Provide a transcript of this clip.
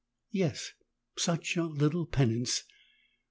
Yes, such a little pen ance!